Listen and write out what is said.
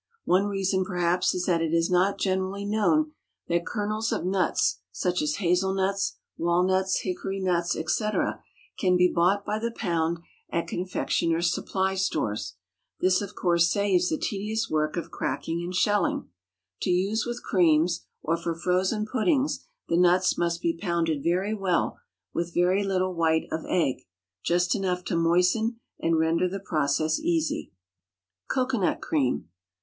One reason perhaps is that it is not generally known that kernels of nuts, such as hazel nuts, walnuts, hickory nuts, etc., can be bought by the pound at confectioners' supply stores. This, of course, saves the tedious work of cracking and shelling. To use with creams or for frozen puddings the nuts must be pounded very well, with very little white of egg just enough to moisten and render the process easy. _Cocoanut Cream.